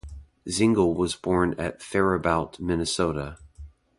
Zengel was born at Faribault, Minnesota.